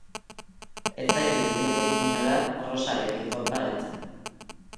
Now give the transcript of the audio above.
Ez zaitut inondik inora Rosarekin konparatzen.